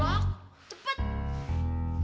bebek yang dulu